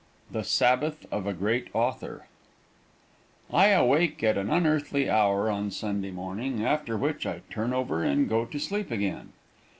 THE SABBATH OF A GREAT AUTHOR VII I awake at an unearthly hour on Sunday morning, after which I turn over and go to sleep again.